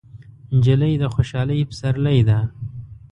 نجلۍ د خوشحالۍ پسرلی ده.